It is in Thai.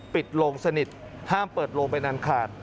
โลงสนิทห้ามเปิดโลงไปนานขาด